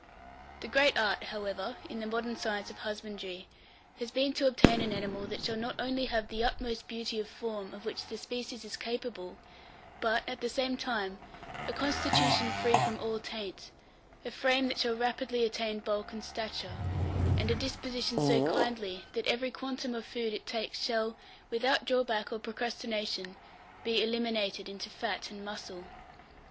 The great art, however, in the modern science of husbandry has been to obtain an animal that shall not only have the utmost beauty of form of which the species is capable, but, at the same time, a constitution free from all taint, a frame that shall rapidly attain bulk and stature, and a disposition so kindly that every quantum of food it takes shall, without drawback or procrastination, be eliminated into fat and muscle.